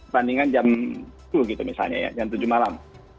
bandingan jam sepuluh gitu misalnya jam tujuh malam